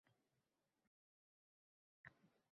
Uch ta Seda bo‘lsachi?